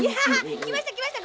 きましたきました！